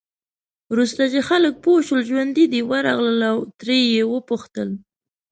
وروسته چې خلک پوه شول ژوندي دی، ورغلل او ترې یې وپوښتل.